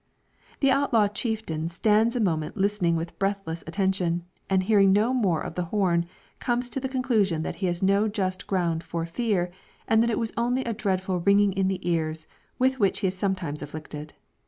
The outlaw chieftain stands a moment listening with breathless attention, and hearing no more of the horn, comes to the conclusion that he has no just ground for fear, and that it was only a dreadful ringing in the ears with which he is sometimes afflicted.